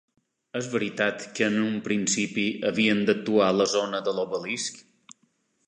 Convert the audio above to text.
És veritat que en un principi havien d'actuar a la zona de l'obelisc?